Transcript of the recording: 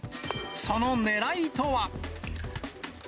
そのねらいとは。